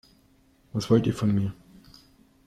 Was wollt ihr von mir?